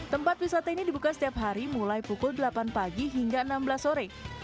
tempat wisata ini dibuka setiap hari mulai pukul delapan pagi hingga enam belas sore